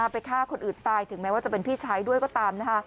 ไปฆ่าคนอื่นตายถึงแม้ว่าจะเป็นพี่ชายด้วยก็ตามนะคะ